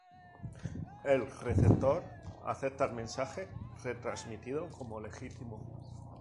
El receptor acepta el mensaje retransmitido como legítimo.